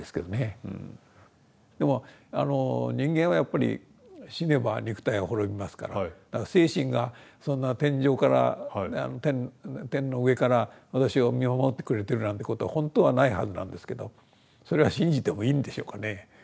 でも人間はやっぱり死ねば肉体は滅びますから精神がそんな天上から天の上から私を見守ってくれてるなんてことはほんとはないはずなんですけどそれは信じてもいいんでしょうかね。